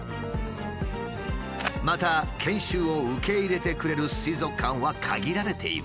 また研修を受け入れてくれる水族館は限られている。